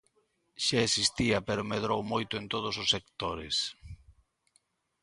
Xa existía pero medrou moito en todos os sectores.